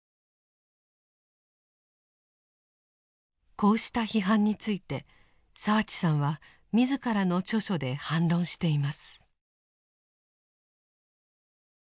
こうした批判について澤地さんは自らの著書で反論しています。